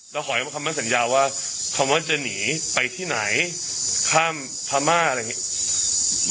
แล้วขอให้คำมั่นสัญญาว่าคำว่าจะหนีไปที่ไหนข้ามพม่าอะไรอย่างนี้